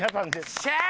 よっしゃー！